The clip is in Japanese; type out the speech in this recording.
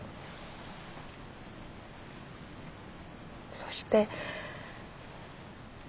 そして。